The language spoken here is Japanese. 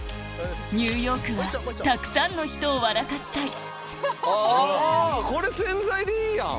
ニューヨークはたくさんの人を笑かしたいこれ宣材でいいやん！